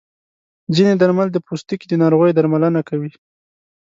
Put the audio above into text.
ځینې درمل د پوستکي د ناروغیو درملنه کوي.